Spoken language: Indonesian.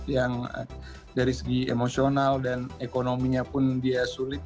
yang dari segi emosional dan ekonominya pun dia sulit